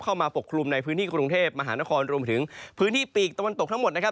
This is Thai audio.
ปกคลุมในพื้นที่กรุงเทพมหานครรวมถึงพื้นที่ปีกตะวันตกทั้งหมดนะครับ